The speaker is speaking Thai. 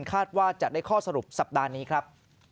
คาดว่าจะได้ข้อสรุปสัปดาห์นี้ครับ